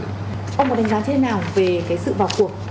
ông có đánh giá thế nào về cái sự vào cuộc